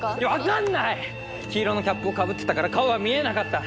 黄色のキャップをかぶってたから顔は見えなかった。